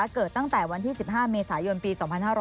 เกิดตั้งแต่วันที่๑๕เมษายนปี๒๕๕๙